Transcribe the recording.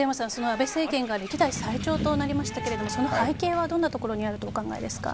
安倍政権が歴代最長となりましたがその背景はどんなところにあるとお考えですか？